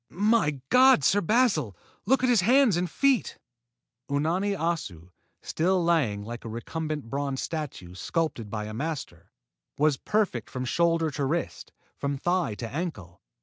"My God, Sir Basil, look at his hands and feet!" Unani Assu, still lying like a recumbent bronze statue sculptured by a master, was perfect from shoulder to wrist, from thigh to ankle.